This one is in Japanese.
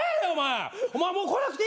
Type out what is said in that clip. お前もう来なくていいよ野球。